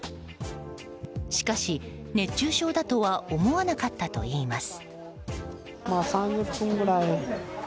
しかし、熱中症だとは思わなかったといいます。